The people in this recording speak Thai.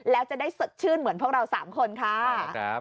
แล้วจะได้สดชื่นเหมือนพวกเรา๓คนค่ะ